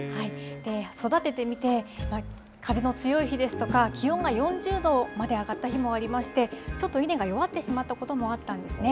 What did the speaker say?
育ててみて風の強い日ですとか、気温が４０度まで上がった日もありまして、ちょっと稲が弱ってしまったこともあったんですね。